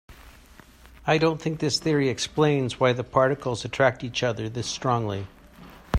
I don't think this theory explains why the particles attract each other this strongly.